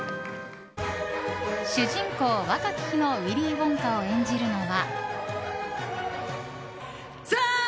主人公、若き日のウィリー・ウォンカを演じるのは。